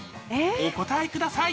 お答えください。